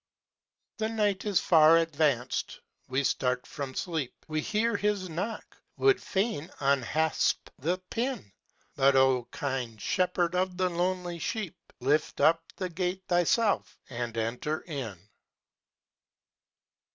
The night is far advanced â we start from sleep, We hear His knock, would fain unhasp the pin ; But O, kind Shepherd of the lonely sheep. Lift up the gate Thyself, and enter in.